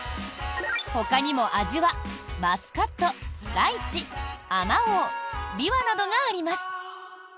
ほかにも、味はマスカット、ライチ、あまおうビワなどがあります。